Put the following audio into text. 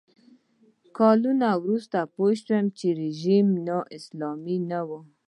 کلونه وروسته پوه شوم چې رژیم نا اسلامي نه و.